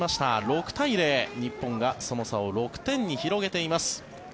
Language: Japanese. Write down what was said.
６対０、日本がその差を６点に広げています。